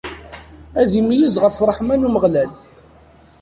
Ad imeyyez ɣef ṛṛeḥma n Umeɣlal.